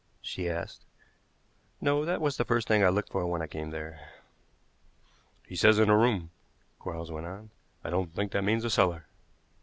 she asked. "No; that was the first thing I looked for when I came there." "He says in a room," Quarles went on. "I don't think that means a cellar."